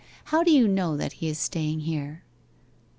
How do you know that he is staying here?